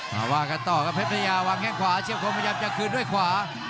มาว่ากันต่อกับเป็นปัญญาวางแค่งขวาเชี่ยวของมันจะคืนด้วยขวา